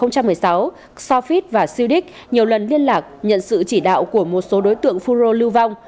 custophit và siudik nhiều lần liên lạc nhận sự chỉ đạo của một số đối tượng phun rô lưu vong